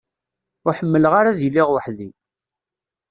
Ur ḥemmleɣ ara ad iliɣ weḥd-i.